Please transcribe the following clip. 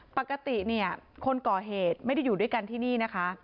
ปกติเนี่ยคนก่อเหตุไม่ได้อยู่ด้วยกันที่นี่นะคะ